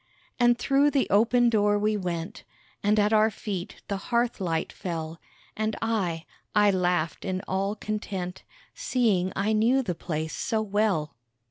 And through the open door we went, And at our feet the hearth light fell, And I I laughed in all content, Seeing I knew the place so well.